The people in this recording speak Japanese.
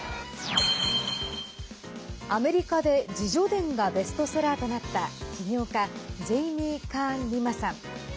アメリカで自叙伝がベストセラーとなった起業家ジェイミー・カーン・リマさん。